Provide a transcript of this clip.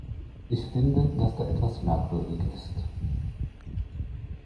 Ich finde, dass da etwas merkwürdig ist.